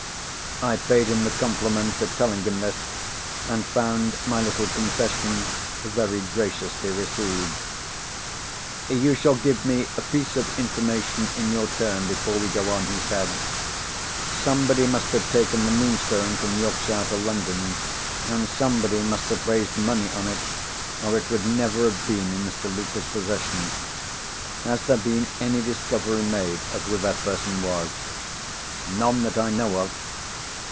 I paid him the compliment of telling him this, and found my little concession very graciously received. "You shall give me a piece of information in your turn before we go on," he said. "Somebody must have taken the Moonstone from Yorkshire to London. And somebody must have raised money on it, or it would never have been in Mr. Luker's possession. Has there been any discovery made of who that person was?" "None that I know of."